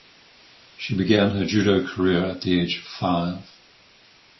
She began her judo career at the age of five.